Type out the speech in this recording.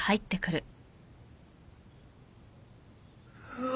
うわ。